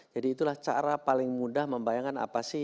jadi itulah cara paling mudah membayangkan apa sih